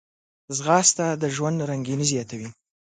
ځغاسته د ژوند رنګیني زیاتوي